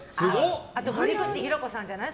あと森口博子さんじゃない？